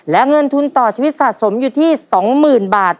และเงินทุนต่อชีวิตสะสมอยู่ที่๒๐๐๐บาท